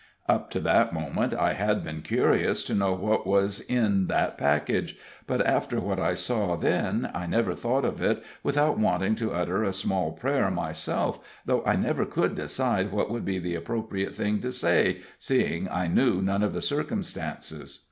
] Up to that moment I had been curious to know what was in that package; but after what I saw then, I never thought of it without wanting to utter a small prayer myself, though I never could decide what would be the appropriate thing to say, seeing I knew none of the circumstances.